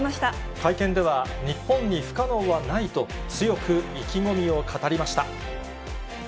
会見では、日本に不可能はないと、強く意気込みを語りました。